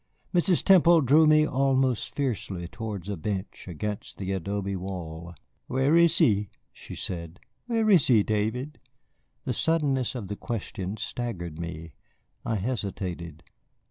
Mrs. Temple drew me almost fiercely towards a bench against the adobe wall. "Where is he?" she said. "Where is he, David?" The suddenness of the question staggered me; I hesitated.